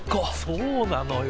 そうなのよ。